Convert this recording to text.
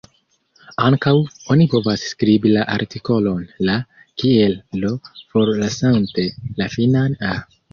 Ankaŭ, oni povas skribi la artikolon "la" kiel l’, forlasante la finan "-a".